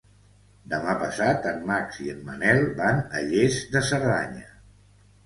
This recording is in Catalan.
Demà passat en Max i en Manel van a Lles de Cerdanya.